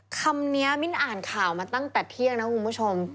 คำนี้มิ้นอ่านข่าวมาตั้งแต่เที่ยงนะคุณผู้ชม